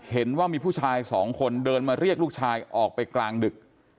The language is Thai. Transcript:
เห็นว่ามีผู้ชายสองคนเดินมาเรียกลูกชายออกไปกลางดึก